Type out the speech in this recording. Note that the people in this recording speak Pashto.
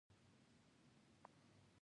افغان خپل دوست ته وفادار دی.